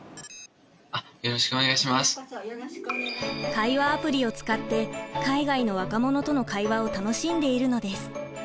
会話アプリを使って海外の若者との会話を楽しんでいるのです。